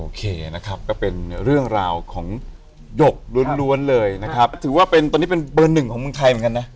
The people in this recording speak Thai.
นะครับก็เป็นเรื่องราวของหยกล้วนเลยนะครับถือว่าเป็นตอนนี้เป็นเบอร์หนึ่งของเมืองไทยเหมือนกันนะ